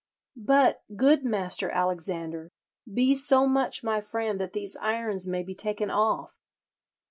... 'But, good Master Alexander, be so much my friend that these irons may be taken off.'